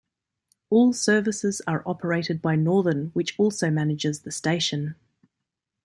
All services are operated by Northern, which also manages the station.